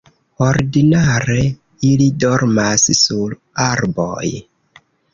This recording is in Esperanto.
Ordinare ili dormas sur arboj.